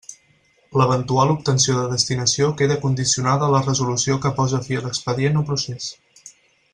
L'eventual obtenció de destinació queda condicionada a la resolució que pose fi a l'expedient o procés.